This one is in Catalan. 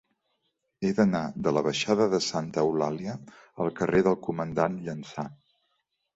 He d'anar de la baixada de Santa Eulàlia al carrer del Comandant Llança.